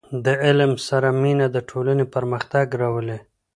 • د علم سره مینه، د ټولنې پرمختګ راولي.